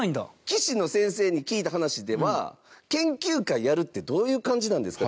棋士の先生に聞いた話では研究会やるってどういう感じなんですか？